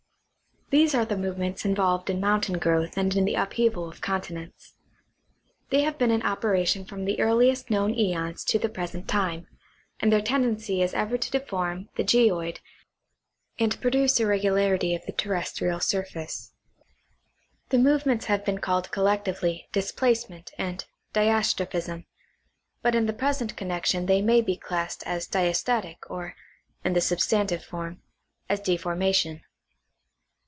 These are the movements involved in mountain growth and in the up heavel of continents. They have been in operation from the earliest known eons to the present time, and their tendency is ever to deform the geoid and produce irregularity of the terrestrial surface. The movements have been called collectively " displace ment" and " diastrophism," but in the present connection they may be classed as diastatic, or, in the substantive form, as deforma tion.